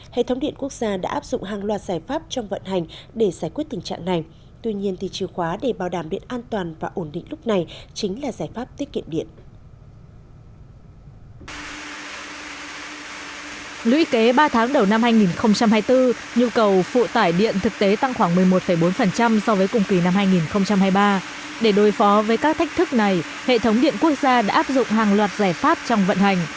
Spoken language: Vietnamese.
hệ thống điện quốc gia đã áp dụng hàng loạt giải pháp trong vận hành để giải quyết tình trạng này